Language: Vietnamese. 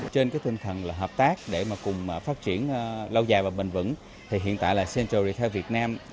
trên tinh thần hợp tác để cùng phát triển lâu dài và bền vững hiện tại central retail việt nam